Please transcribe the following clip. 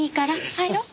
入ろう。